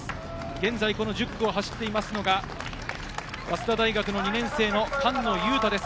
現在１０区を走っているのが、早稲田大学の２年生・菅野雄太です。